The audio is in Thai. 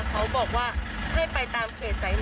เขาบอกว่าให้ไปตามเขตสายไหม